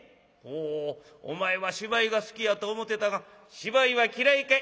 「おおお前は芝居が好きやと思てたが芝居は嫌いか」。